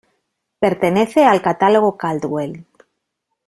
Pertenece al Catálogo Caldwell